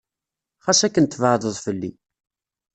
Xas akken tbeɛdeḍ fell-i.